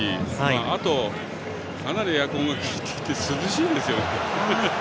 あと、かなりエアコンが利いてて涼しいです。